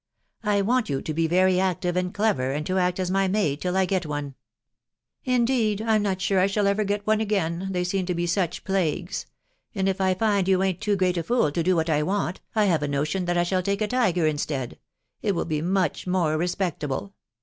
... I want you to he very active and clever, and to act as my maid till I get. one. Indeed, I'm not sore I shall ever get one again, they seem to be such plagues ; and if I find you ain't too great a fool to do what I want, I have a notion that I shall take a tiger instead — it will be much more respectable.